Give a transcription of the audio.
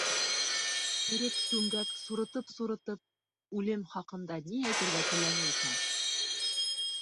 Серек Түңгәк, сурытып-сурытып, үлем хаҡында ни әйтергә теләне икән?